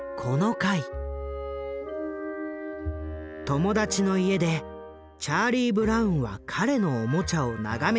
友達の家でチャーリー・ブラウンは彼のおもちゃを眺めている。